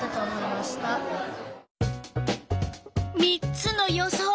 ３つの予想